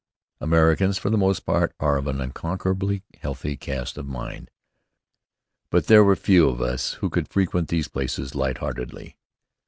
Americans, for the most part, are of an unconquerably healthy cast of mind; but there were few of us who could frequent these places light heartedly.